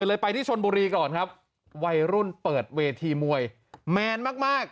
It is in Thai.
เลยไปที่ชนบุรีก่อนครับวัยรุ่นเปิดเวทีมวยแมนมากมาก